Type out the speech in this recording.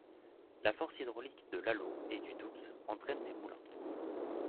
La force hydraulique de l'Allau et du Doubs entraîne des moulins.